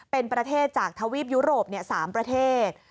เป็นประเทศจากทวีปยุโรป๓ประเทศ